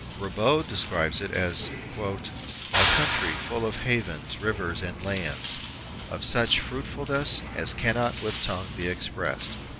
Ribaut describes it as "a countrie full of hauens, riuers, and Ilands, of such fruitfulnes as cannot with tongue be expressed."